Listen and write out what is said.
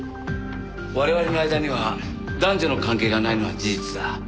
我々の間には男女の関係がないのは事実だ。